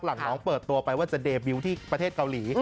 หลังน้องเปิดตัวไปว่าจะเดบิลที่ประเทศเกาหลี